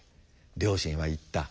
両親は言った。